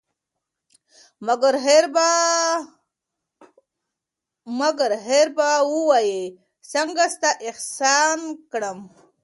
مگر هېر به وایه څنگه ستا احسان کړم